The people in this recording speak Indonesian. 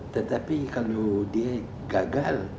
tetapi kalau dia gagal